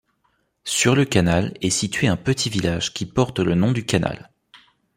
Sur le canal est situé un petit village qui porte le nom du canal.